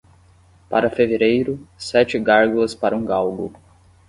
Para fevereiro, sete gárgulas para um galgo.